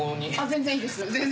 全然いいです。